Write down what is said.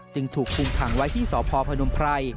จึงถูกคุ้งถังไว้ที่สพพนม